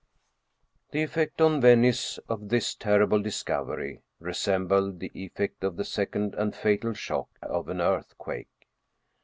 The effect on Venice of this terrible discovery resembled the effect of the second and fatal shock of an earthquake.